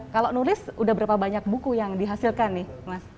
kalau nulis udah berapa banyak buku yang dihasilkan nih mas